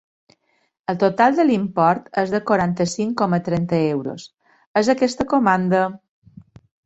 El total de l'import és de quaranta-cinc coma trenta euros, és aquesta comanda?